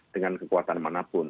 dengan kekuatan manapun